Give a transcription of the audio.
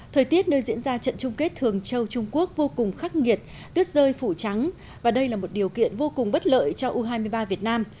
thời tiết nơi diễn ra trận chung kết thường châu trung quốc vô cùng khắc nghiệt tuyết rơi phủ trắng và đây là một điều kiện vô cùng bất lợi cho u hai mươi ba việt nam